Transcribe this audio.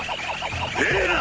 ええな！